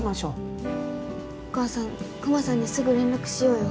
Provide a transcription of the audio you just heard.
お母さんクマさんにすぐ連絡しようよ。